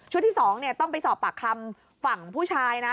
ที่๒ต้องไปสอบปากคำฝั่งผู้ชายนะ